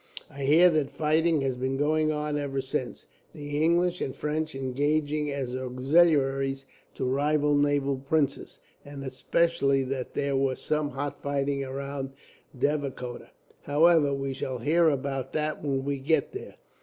I hear that fighting has been going on ever since, the English and French engaging as auxiliaries to rival native princes; and especially that there was some hot fighting round Devikota. However, we shall hear about that when we get there."